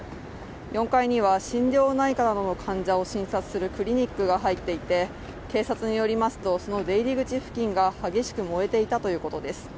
４階には心療内科などの患者を診察するクリニックが入っていて警察によりますと、その出入り口付近が激しく燃えていたということです。